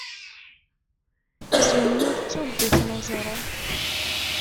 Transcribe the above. Azunyur d tubbit n uẓru.